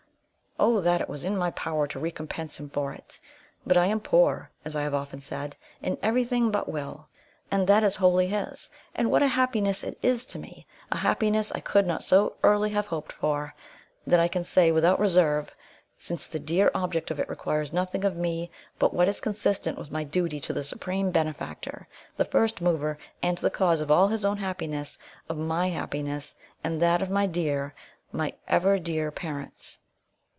O that it was in my power to recompense him for it! But I am poor, as I have often said, in every thing but will and that is wholly his: and what a happiness is it to me, a happiness I could not so early have hoped for, that I can say so without reserve; since the dear object of it requires nothing of me but what is consistent with my duty to the Supreme Benefactor, the first mover and cause of all his own happiness, of my happiness, and that of my dear, my ever dear parents.